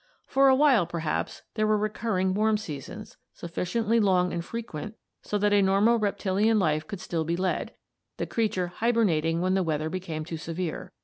For a while, perhaps, there were recurring warm seasons, sufficiently long and frequent so that a normal reptilian life could still be led, the creature hibernating when the weather became too severe.